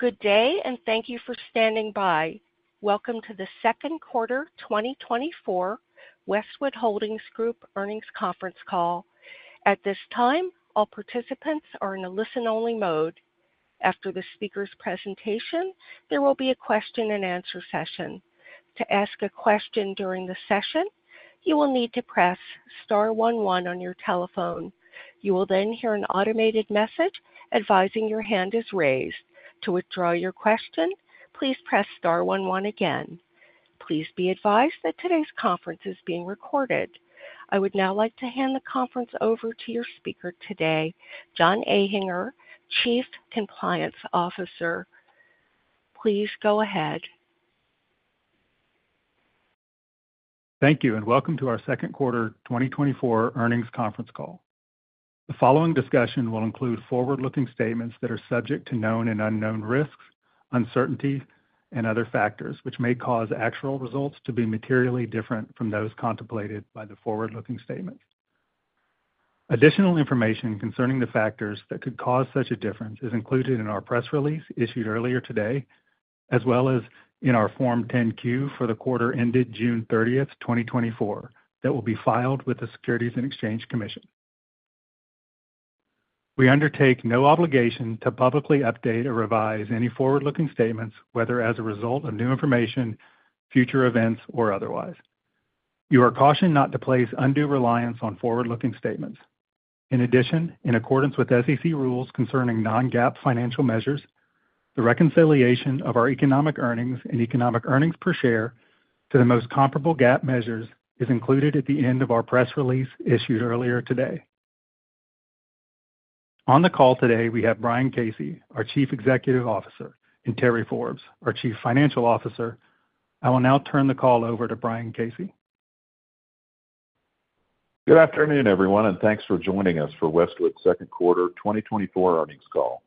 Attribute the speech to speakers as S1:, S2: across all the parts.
S1: Good day, and thank you for standing by. Welcome to the second quarter 2024 Westwood Holdings Group earnings conference call. At this time, all participants are in a listen-only mode. After the speaker's presentation, there will be a question-and-answer session. To ask a question during the session, you will need to press star 11 on your telephone. You will then hear an automated message advising your hand is raised. To withdraw your question, please press star 11 again. Please be advised that today's conference is being recorded. I would now like to hand the conference over to your speaker today, John Ahinger, Chief Compliance Officer. Please go ahead.
S2: Thank you, and welcome to our second quarter 2024 earnings conference call. The following discussion will include forward-looking statements that are subject to known and unknown risks, uncertainty, and other factors which may cause actual results to be materially different from those contemplated by the forward-looking statements. Additional information concerning the factors that could cause such a difference is included in our press release issued earlier today, as well as in our Form 10-Q for the quarter ended June 30, 2024, that will be filed with the Securities and Exchange Commission. We undertake no obligation to publicly update or revise any forward-looking statements, whether as a result of new information, future events, or otherwise. You are cautioned not to place undue reliance on forward-looking statements. In addition, in accordance with SEC rules concerning non-GAAP financial measures, the reconciliation of our economic earnings and economic earnings per share to the most comparable GAAP measures is included at the end of our press release issued earlier today. On the call today, we have Brian Casey, our Chief Executive Officer, and Terry Forbes, our Chief Financial Officer. I will now turn the call over to Brian Casey.
S3: Good afternoon, everyone, and thanks for joining us for Westwood's second quarter 2024 earnings call.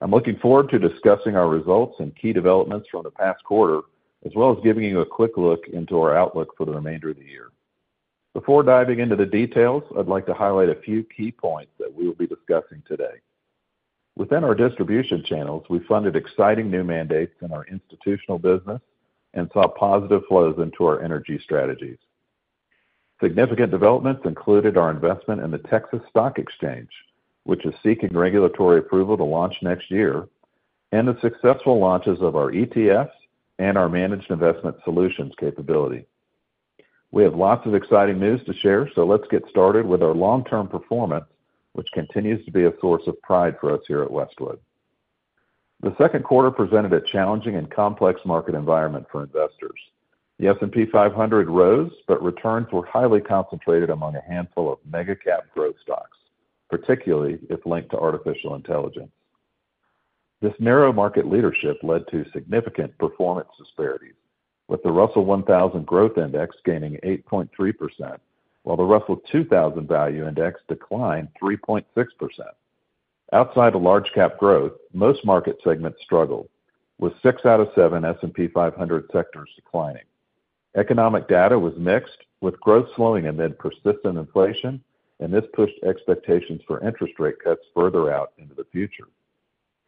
S3: I'm looking forward to discussing our results and key developments from the past quarter, as well as giving you a quick look into our outlook for the remainder of the year. Before diving into the details, I'd like to highlight a few key points that we will be discussing today. Within our distribution channels, we funded exciting new mandates in our institutional business and saw positive flows into our energy strategies. Significant developments included our investment in the Texas Stock Exchange, which is seeking regulatory approval to launch next year, and the successful launches of our ETFs and our managed investment solutions capability. We have lots of exciting news to share, so let's get started with our long-term performance, which continues to be a source of pride for us here at Westwood. The second quarter presented a challenging and complex market environment for investors. The S&P 500 rose, but returns were highly concentrated among a handful of mega-cap growth stocks, particularly if linked to artificial intelligence. This narrow market leadership led to significant performance disparities, with the Russell 1000 Growth Index gaining 8.3%, while the Russell 2000 Value Index declined 3.6%. Outside of large-cap growth, most market segments struggled, with six out of seven S&P 500 sectors declining. Economic data was mixed, with growth slowing amid persistent inflation, and this pushed expectations for interest rate cuts further out into the future.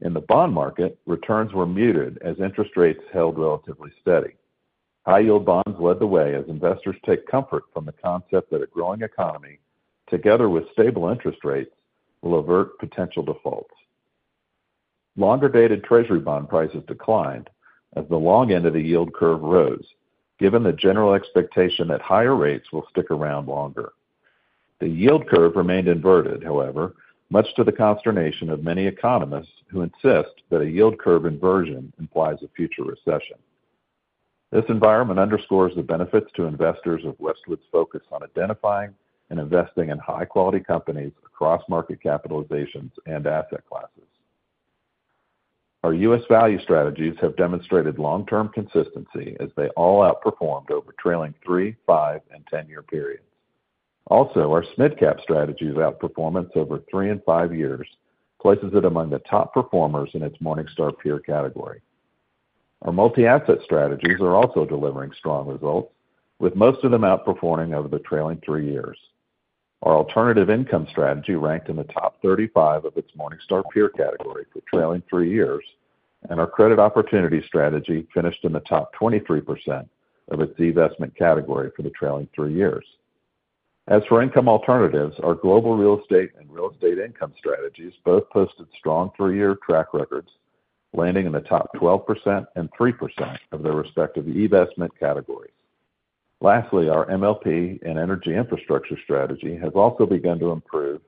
S3: In the bond market, returns were muted as interest rates held relatively steady. High-yield bonds led the way as investors take comfort from the concept that a growing economy, together with stable interest rates, will avert potential defaults. Longer-dated Treasury bond prices declined as the long end of the yield curve rose, given the general expectation that higher rates will stick around longer. The yield curve remained inverted, however, much to the consternation of many economists who insist that a yield curve inversion implies a future recession. This environment underscores the benefits to investors of Westwood's focus on identifying and investing in high-quality companies across market capitalizations and asset classes. Our U.S. value strategies have demonstrated long-term consistency as they all outperformed over trailing 3-, 5-, and 10-year periods. Also, our mid-cap strategy's outperformance over 3 and 5 years places it among the top performers in its Morningstar peer category. Our multi-asset strategies are also delivering strong results, with most of them outperforming over the trailing 3 years. Our alternative income strategy ranked in the top 35 of its Morningstar peer category for trailing three years, and our credit opportunity strategy finished in the top 23% of its eVestment category for the trailing three years. As for income alternatives, our global real estate and real estate income strategies both posted strong three-year track records, landing in the top 12% and 3% of their respective eVestment categories. Lastly, our MLP and energy infrastructure strategy has also begun to improve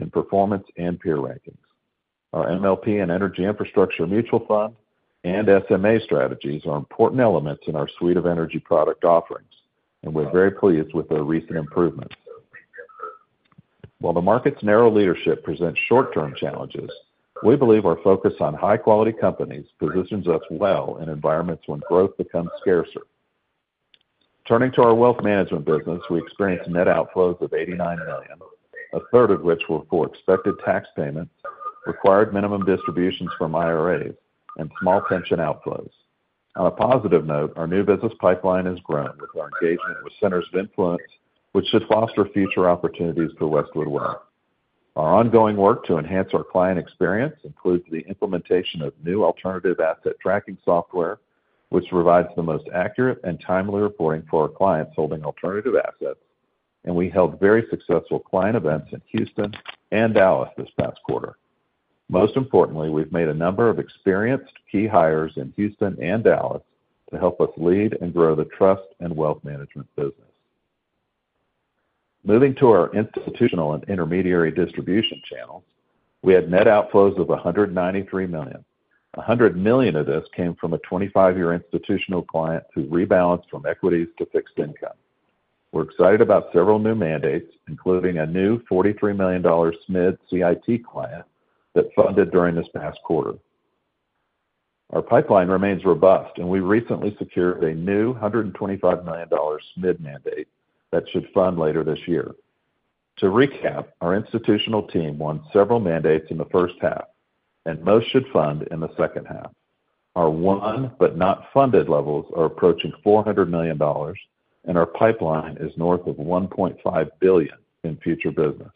S3: in performance and peer rankings. Our MLP and energy infrastructure mutual fund and SMA strategies are important elements in our suite of energy product offerings, and we're very pleased with our recent improvements. While the market's narrow leadership presents short-term challenges, we believe our focus on high-quality companies positions us well in environments when growth becomes scarcer. Turning to our wealth management business, we experienced net outflows of $89 million, a third of which were for expected tax payments, required minimum distributions from IRAs, and small pension outflows. On a positive note, our new business pipeline has grown with our engagement with centers of influence, which should foster future opportunities for Westwood Wealth. Our ongoing work to enhance our client experience includes the implementation of new alternative asset tracking software, which provides the most accurate and timely reporting for our clients holding alternative assets, and we held very successful client events in Houston and Dallas this past quarter. Most importantly, we've made a number of experienced key hires in Houston and Dallas to help us lead and grow the trust and wealth management business. Moving to our institutional and intermediary distribution channels, we had net outflows of $193 million. $100 million of this came from a 25-year institutional client who rebalanced from equities to fixed income. We're excited about several new mandates, including a new $43 million SMID CIT client that funded during this past quarter. Our pipeline remains robust, and we recently secured a new $125 million SMID mandate that should fund later this year. To recap, our institutional team won several mandates in the first half, and most should fund in the second half. Our Won But Not Funded levels are approaching $400 million, and our pipeline is north of $1.5 billion in future business.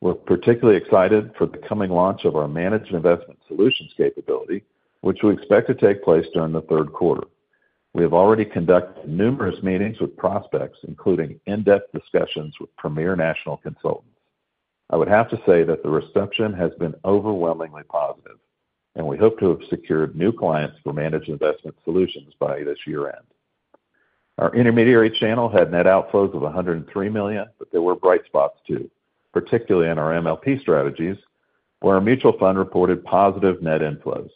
S3: We're particularly excited for the coming launch of our Managed Investment Solutions capability, which we expect to take place during the third quarter. We have already conducted numerous meetings with prospects, including in-depth discussions with premier national consultants. I would have to say that the reception has been overwhelmingly positive, and we hope to have secured new clients for Managed Investment Solutions by this year-end. Our intermediary channel had net outflows of $103 million, but there were bright spots too, particularly in our MLP strategies, where our mutual fund reported positive net inflows.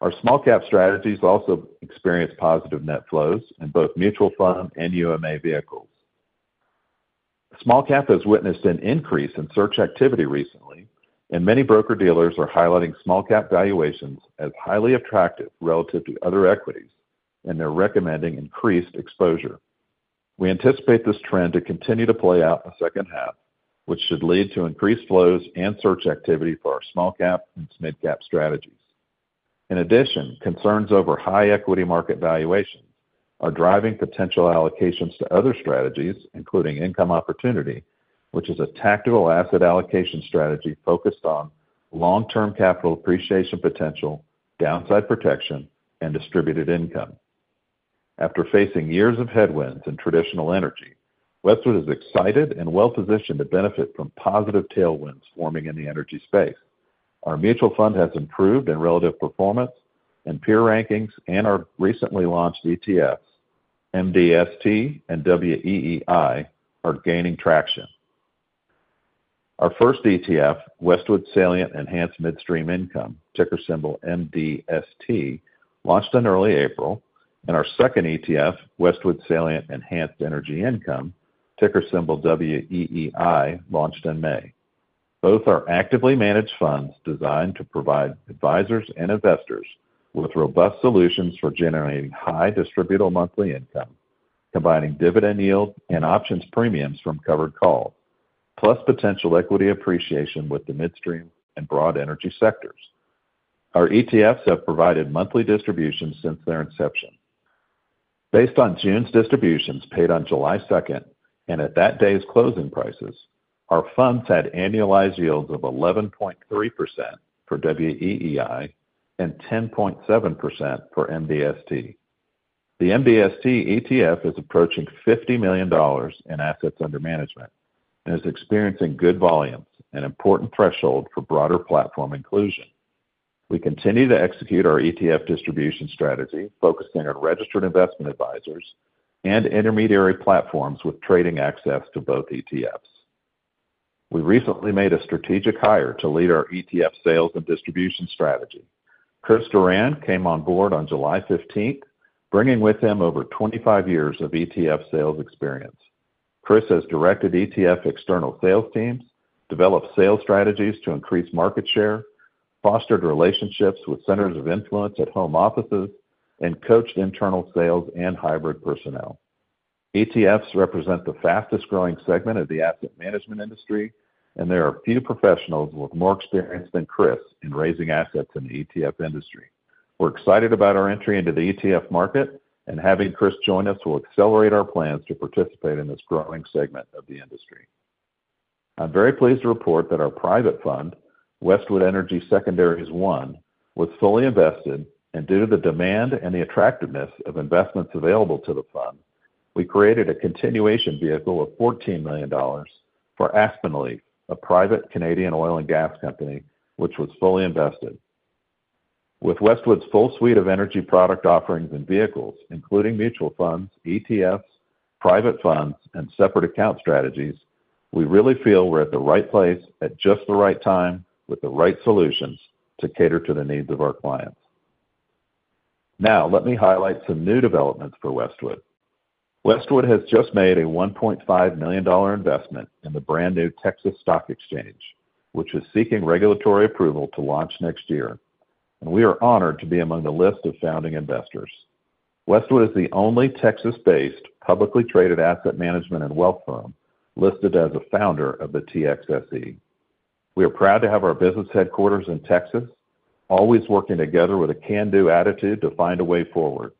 S3: Our small-cap strategies also experienced positive net flows in both mutual fund and UMA vehicles. Small-cap has witnessed an increase in search activity recently, and many broker-dealers are highlighting small-cap valuations as highly attractive relative to other equities, and they're recommending increased exposure. We anticipate this trend to continue to play out in the second half, which should lead to increased flows and search activity for our small-cap and mid-cap strategies. In addition, concerns over high equity market valuations are driving potential allocations to other strategies, including income opportunity, which is a tactical asset allocation strategy focused on long-term capital appreciation potential, downside protection, and distributed income. After facing years of headwinds in traditional energy, Westwood is excited and well-positioned to benefit from positive tailwinds forming in the energy space. Our mutual fund has improved in relative performance, and peer rankings and our recently launched ETFs, MDST and WEEI, are gaining traction. Our first ETF, Westwood Salient Enhanced Midstream Income, ticker symbol MDST, launched in early April, and our second ETF, Westwood Salient Enhanced Energy Income, ticker symbol WEEI, launched in May. Both are actively managed funds designed to provide advisors and investors with robust solutions for generating high distributable monthly income, combining dividend yield and options premiums from covered calls, plus potential equity appreciation with the midstream and broad energy sectors. Our ETFs have provided monthly distributions since their inception. Based on June's distributions paid on July 2 and at that day's closing prices, our funds had annualized yields of 11.3% for WEEI and 10.7% for MDST. The MDST ETF is approaching $50 million in assets under management and is experiencing good volumes, an important threshold for broader platform inclusion. We continue to execute our ETF distribution strategy, focusing on registered investment advisors and intermediary platforms with trading access to both ETFs. We recently made a strategic hire to lead our ETF sales and distribution strategy. Chris Duran came on board on July 15, bringing with him over 25 years of ETF sales experience. Chris has directed ETF external sales teams, developed sales strategies to increase market share, fostered relationships with centers of influence at home offices, and coached internal sales and hybrid personnel. ETFs represent the fastest-growing segment of the asset management industry, and there are a few professionals with more experience than Chris in raising assets in the ETF industry. We're excited about our entry into the ETF market, and having Chris join us will accelerate our plans to participate in this growing segment of the industry. I'm very pleased to report that our private fund, Westwood Energy Secondaries I, was fully invested, and due to the demand and the attractiveness of investments available to the fund, we created a continuation vehicle of $14 million for Aspen Leaf, a private Canadian oil and gas company, which was fully invested. With Westwood's full suite of energy product offerings and vehicles, including mutual funds, ETFs, private funds, and separate account strategies, we really feel we're at the right place at just the right time with the right solutions to cater to the needs of our clients. Now, let me highlight some new developments for Westwood. Westwood has just made a $1.5 million investment in the brand new Texas Stock Exchange, which is seeking regulatory approval to launch next year, and we are honored to be among the list of founding investors. Westwood is the only Texas-based publicly traded asset management and wealth firm listed as a founder of the TXSE. We are proud to have our business headquarters in Texas, always working together with a can-do attitude to find a way forward.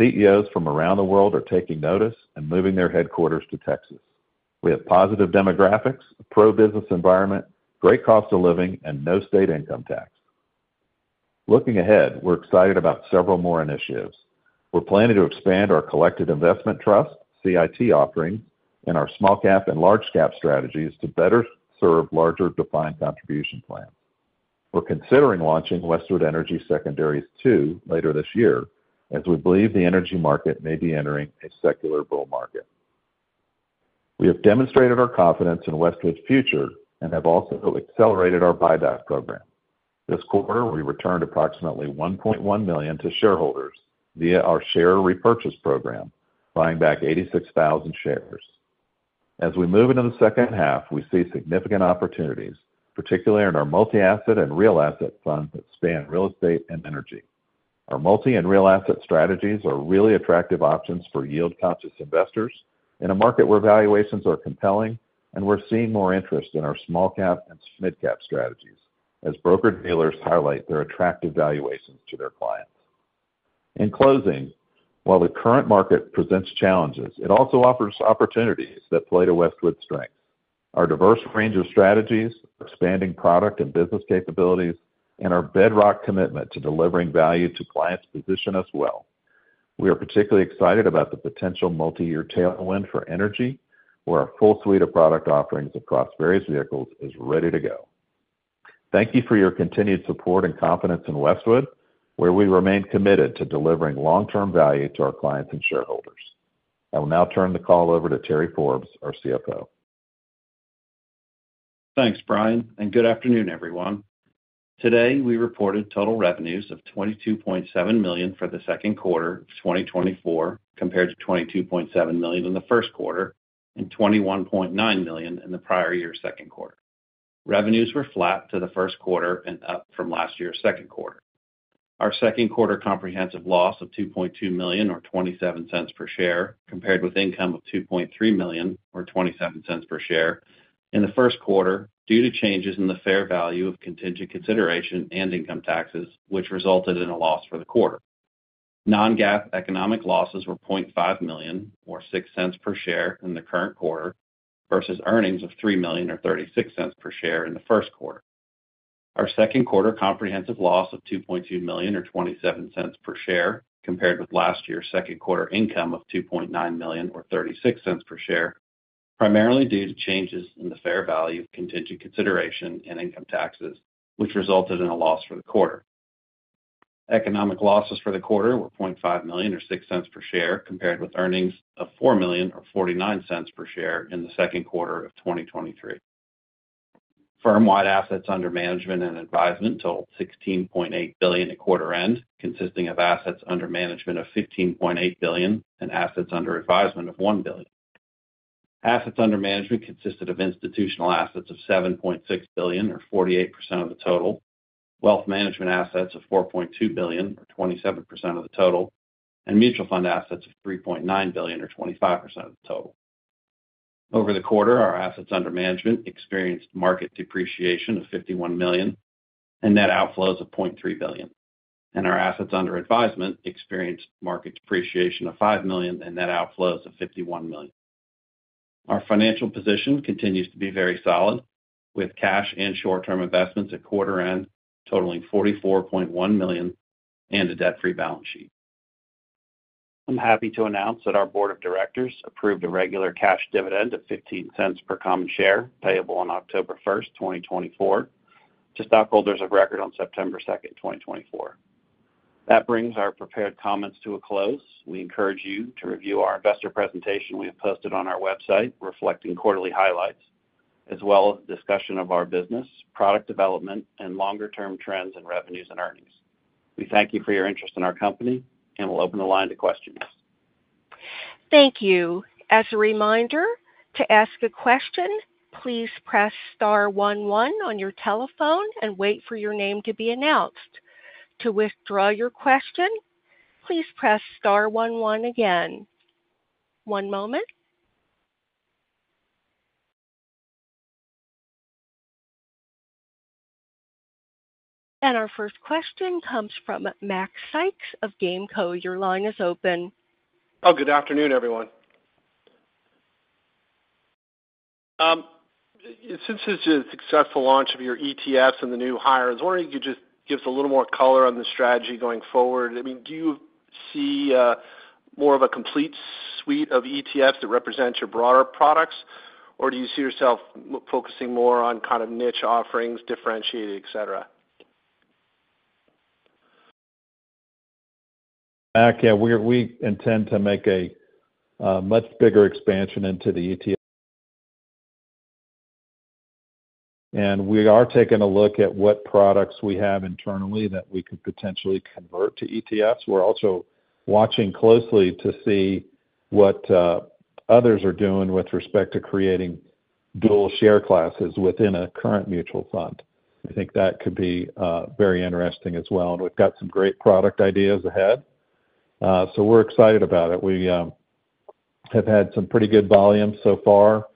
S3: CEOs from around the world are taking notice and moving their headquarters to Texas. We have positive demographics, a pro-business environment, great cost of living, and no state income tax. Looking ahead, we're excited about several more initiatives. We're planning to expand our collective investment trust, CIT offerings, and our small-cap and large-cap strategies to better serve larger defined contribution plans. We're considering launching Westwood Energy Secondaries II later this year, as we believe the energy market may be entering a secular bull market. We have demonstrated our confidence in Westwood's future and have also accelerated our buyback program. This quarter, we returned approximately $1.1 million to shareholders via our share repurchase program, buying back 86,000 shares. As we move into the second half, we see significant opportunities, particularly in our multi-asset and real asset funds that span real estate and energy. Our multi- and real asset strategies are really attractive options for yield-conscious investors in a market where valuations are compelling, and we're seeing more interest in our small-cap and mid-cap strategies as broker-dealers highlight their attractive valuations to their clients. In closing, while the current market presents challenges, it also offers opportunities that play to Westwood's strengths. Our diverse range of strategies, our expanding product and business capabilities, and our bedrock commitment to delivering value to clients position us well. We are particularly excited about the potential multi-year tailwind for energy, where our full suite of product offerings across various vehicles is ready to go. Thank you for your continued support and confidence in Westwood, where we remain committed to delivering long-term value to our clients and shareholders. I will now turn the call over to Terry Forbes, our CFO. Thanks, Brian, and good afternoon, everyone. Today, we reported total revenues of $22.7 million for the second quarter of 2024, compared to $22.7 million in the first quarter and $21.9 million in the prior year's second quarter. Revenues were flat to the first quarter and up from last year's second quarter. Our second quarter comprehensive loss of $2.2 million, or $0.27 per share, compared with income of $2.3 million, or $0.27 per share, in the first quarter due to changes in the fair value of contingent consideration and income taxes, which resulted in a loss for the quarter. Non-GAAP economic losses were $0.5 million, or $0.06 per share in the current quarter, versus earnings of $3 million, or $0.36 per share in the first quarter. Our second quarter comprehensive loss of $2.2 million, or $0.27 per share, compared with last year's second quarter income of $2.9 million, or $0.36 per share, primarily due to changes in the fair value of contingent consideration and income taxes, which resulted in a loss for the quarter. Economic losses for the quarter were $0.5 million, or $0.06 per share, compared with earnings of $4 million, or $0.49 per share in the second quarter of 2023. Firm-wide assets under management and advisement totaled $16.8 billion at quarter end, consisting of assets under management of $15.8 billion and assets under advisement of $1 billion. Assets under management consisted of institutional assets of $7.6 billion, or 48% of the total, wealth management assets of $4.2 billion, or 27% of the total, and mutual fund assets of $3.9 billion, or 25% of the total. Over the quarter, our assets under management experienced market depreciation of $51 million and net outflows of $0.3 billion, and our assets under advisement experienced market depreciation of $5 million and net outflows of $51 million. Our financial position continues to be very solid, with cash and short-term investments at quarter end totaling $44.1 million and a debt-free balance sheet. I'm happy to announce that our board of directors approved a regular cash dividend of $0.15 per common share payable on October 1, 2024, to stockholders of record on September 2, 2024. That brings our prepared comments to a close. We encourage you to review our investor presentation we have posted on our website, reflecting quarterly highlights, as well as discussion of our business, product development, and longer-term trends in revenues and earnings. We thank you for your interest in our company and will open the line to questions. Thank you. As a reminder, to ask a question, please press star 11 on your telephone and wait for your name to be announced. To withdraw your question, please press star 11 again. One moment. Our first question comes from Mac Sykes of GAMCO. Your line is open. Oh, good afternoon, everyone. Since this is a successful launch of your ETFs and the new hires, I was wondering if you could just give us a little more color on the strategy going forward. I mean, do you see more of a complete suite of ETFs that represents your broader products, or do you see yourself focusing more on kind of niche offerings, differentiated, etc.? Mac, yeah, we intend to make a much bigger expansion into the ETF, and we are taking a look at what products we have internally that we could potentially convert to ETFs. We're also watching closely to see what others are doing with respect to creating dual share classes within a current mutual fund. I think that could be very interesting as well, and we've got some great product ideas ahead, so we're excited about it. We have had some pretty good volume so far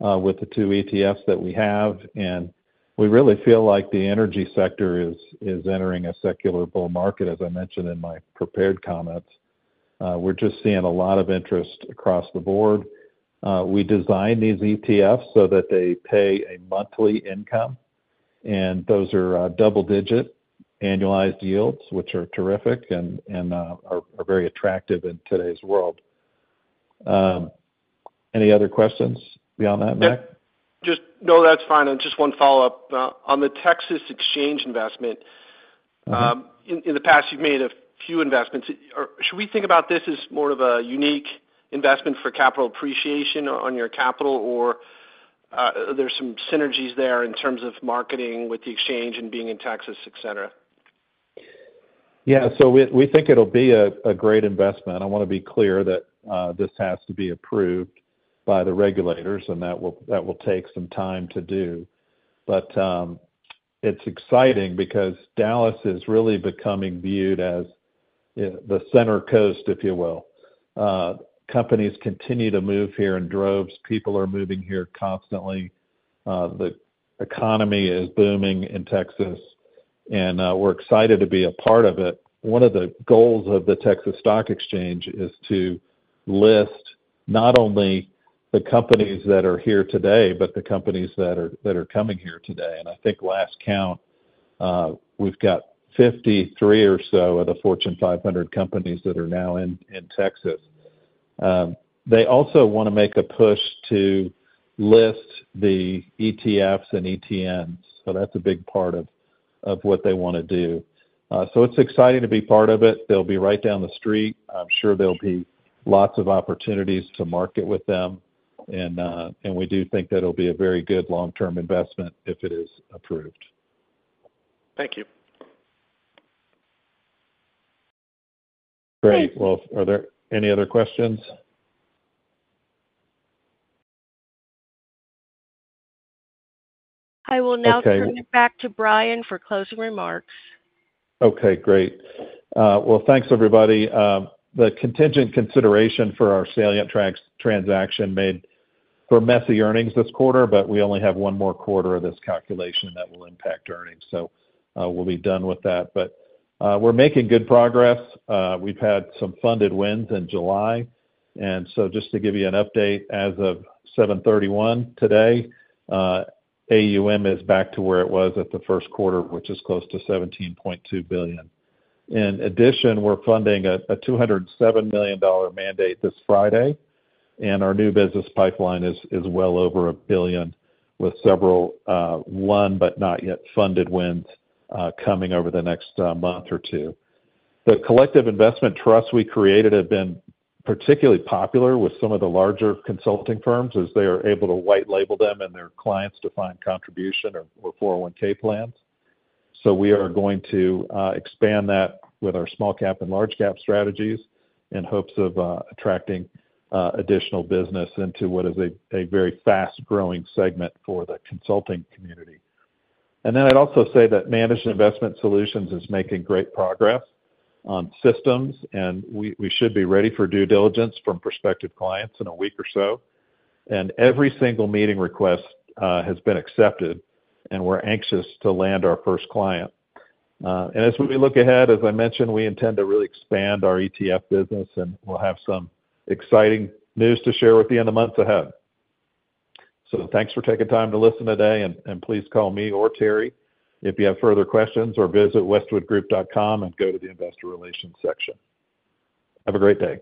S3: with the two ETFs that we have, and we really feel like the energy sector is entering a secular bull market, as I mentioned in my prepared comments. We're just seeing a lot of interest across the board. We designed these ETFs so that they pay a monthly income, and those are double-digit annualized yields, which are terrific and are very attractive in today's world. Any other questions beyond that, Mac? Just no, that's fine. And just one follow-up. On the Texas Exchange investment, in the past, you've made a few investments. Should we think about this as more of a unique investment for capital appreciation on your capital, or are there some synergies there in terms of marketing with the exchange and being in Texas, etc.? Yeah, so we think it'll be a great investment. I want to be clear that this has to be approved by the regulators, and that will take some time to do. But it's exciting because Dallas is really becoming viewed as the center coast, if you will. Companies continue to move here in droves. People are moving here constantly. The economy is booming in Texas, and we're excited to be a part of it. One of the goals of the Texas Stock Exchange is to list not only the companies that are here today, but the companies that are coming here today. I think last count, we've got 53 or so of the Fortune 500 companies that are now in Texas. They also want to make a push to list the ETFs and ETNs, so that's a big part of what they want to do. It's exciting to be part of it. They'll be right down the street. I'm sure there'll be lots of opportunities to market with them, and we do think that it'll be a very good long-term investment if it is approved. Thank you. Great. Well, are there any other questions? I will now turn it back to Brian for closing remarks. Okay, great. Well, thanks, everybody. The contingent consideration for our Salient transaction made for messy earnings this quarter, but we only have one more quarter of this calculation that will impact earnings, so we'll be done with that. But we're making good progress. We've had some funded wins in July, and so just to give you an update, as of 7:31 today, AUM is back to where it was at the first quarter, which is close to $17.2 billion. In addition, we're funding a $207 million mandate this Friday, and our new business pipeline is well over $1 billion, with several won but not yet funded wins coming over the next month or two. The collective investment trusts we created have been particularly popular with some of the larger consulting firms as they are able to white-label them and their clients to find contribution or 401(k) plans. So we are going to expand that with our small-cap and large-cap strategies in hopes of attracting additional business into what is a very fast-growing segment for the consulting community. And then I'd also say that Managed Investment Solutions is making great progress on systems, and we should be ready for due diligence from prospective clients in a week or so. And every single meeting request has been accepted, and we're anxious to land our first client. And as we look ahead, as I mentioned, we intend to really expand our ETF business, and we'll have some exciting news to share with you in the months ahead. Thanks for taking time to listen today, and please call me or Terry if you have further questions, or visit westwoodgroup.com and go to the investor relations section. Have a great day.